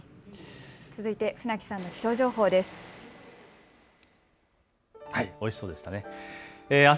続いて船木さんの気象情報です。